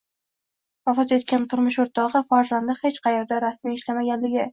Vafot etgan turmush o‘rtog‘i, farzandi hech qayerda rasmiy ishlamaganligi